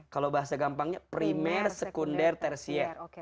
kalau bahasa gampangnya primer sekunder tersier